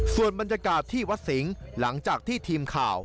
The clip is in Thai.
ส่วนบรรยากาศที่วัดสิงห์หลังจากที่ทีมข่าว